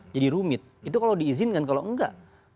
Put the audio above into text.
jadi rumit itu kalau diizinkan kalau enggak